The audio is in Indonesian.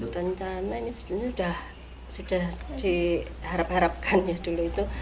rencana ini sebenarnya sudah diharapkan harapkan ya dulu itu